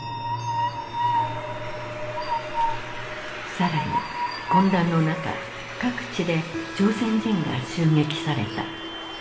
更に混乱の中各地で朝鮮人が襲撃された。